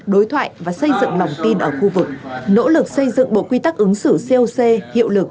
đối thoại và xây dựng lòng tin ở khu vực nỗ lực xây dựng bộ quy tắc ứng xử coc hiệu lực